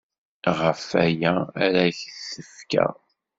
Ɣef waya ara ak-t-fkeɣ.